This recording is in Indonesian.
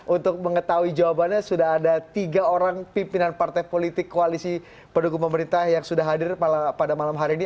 untuk mengetahui jawabannya sudah ada tiga orang pimpinan partai politik koalisi pendukung pemerintah yang sudah hadir pada malam hari ini